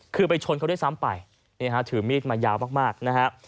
คือไปชนเขาด้วยซ้ำไปนี่ฮะถือมีดมายาวมากนะฮะ